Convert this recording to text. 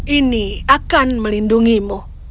ini akan melindungimu